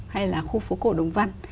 hay là khu phố cổ đồng văn